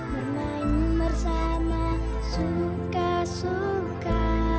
bermain bersama suka suka